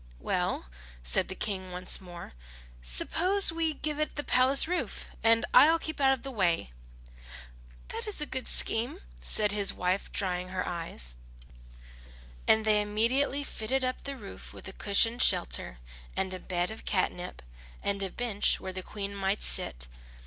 "Well," said the King once more, "suppose we give it the palace roof, and I will keep out of the way." "That is a good scheme," said his wife, drying her eyes. And they immediately fitted up the roof with a cushioned shelter, and a bed of catnip, and a bench where the Queen might sit.